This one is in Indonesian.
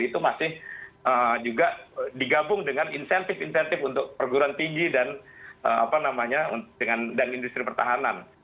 itu masih juga digabung dengan insentif insentif untuk perguruan tinggi dan dengan industri pertahanan